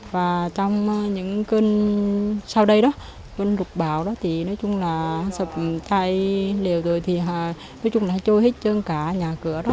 và trong những cơn sau đây đó cơn lục bão đó thì nói chung là sập chai liều rồi thì nói chung là trôi hết chân cả nhà cửa đó